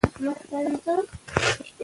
ښوونه او روزنه ماشوم ته لارښوونه کوي.